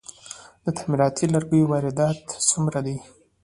د تعمیراتي لرګیو واردات څومره دي؟